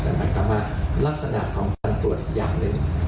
แต่แบบว่าลักษณะของการตรวจอย่างหนึ่ง